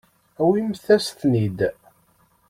Awimt-asen-ten-id.